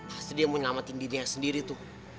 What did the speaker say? pasti dia mau menyelamatkan dirinya sendiri tuh